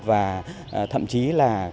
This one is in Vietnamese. và thậm chí là